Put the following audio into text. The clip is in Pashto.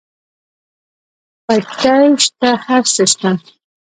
پټی شته هر څه شته.